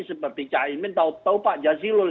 seperti caimin tau tau pak jazilul